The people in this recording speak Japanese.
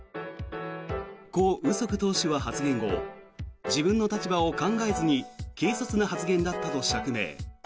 コ・ウソク投手は発言後自分の立場を考えずに軽率な発言だったと釈明。